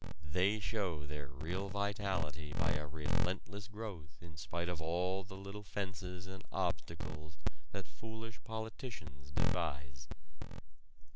They show their real vitality by a relentless growth in spite of all the little fences and obstacles that foolish politicians devise.